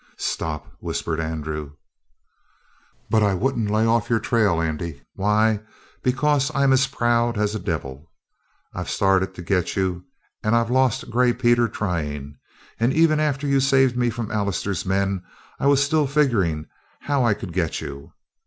"Stop!" whispered Andrew. "But I wouldn't lay off your trail, Andy. Why? Because I'm as proud as a devil. I'd started to get you and I'd lost Gray Peter trying. And even after you saved me from Allister's men I was still figuring how I could get you.